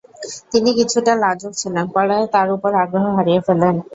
তিনি কিছুটা লাজুক ছিলেন, পরে তার উপর আগ্রহ হারিয়ে ফেলেন।